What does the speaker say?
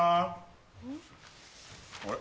あれ？